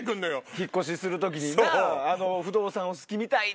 引っ越しする時にな「不動産お好きみたいで。